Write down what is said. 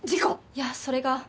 いやそれが。